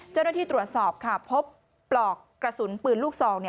เจ้าหน้าที่ตรวจสอบค่ะพบปลอกกระสุนปืนลูกซอง